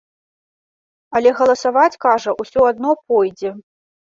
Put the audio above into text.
Але галасаваць, кажа, усё адно пойдзе.